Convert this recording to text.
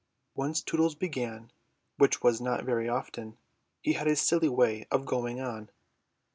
Once Tootles began, which was not very often, he had a silly way of going on.